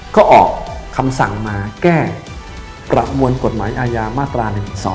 ก็ออกคำสั่งมาแก้ประมวลกฎหมายอาญามาตรา๑๑๒